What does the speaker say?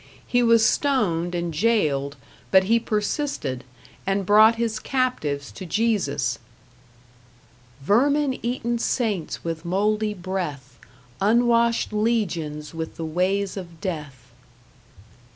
He was stoned and jailed, but he persisted, and brought his captives to Jesus Vermin eaten saints with mouldy breath, Unwashed legions with the ways of death.